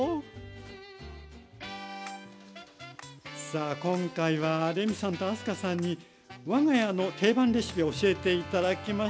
さあ今回はレミさんと明日香さんにわが家の定番レシピを教えて頂きました。